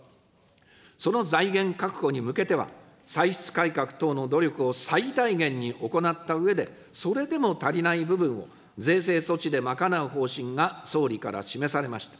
その財源確保に向けては、歳出改革等の努力を最大限に行ったうえで、それでも足りない部分を、税制措置で賄う方針が総理から示されました。